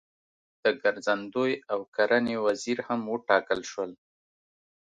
د ګرځندوی او کرنې وزیر هم وټاکل شول.